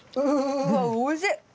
うわおいしい！